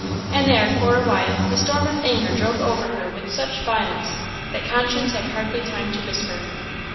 And there, for a while, the storm of anger drove over her with such violence, that conscience had hardly time to whisper.